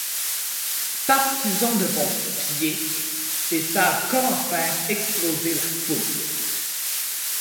Parce qu'ils ont de bons "pieds" et savent comment faire exploser la foule.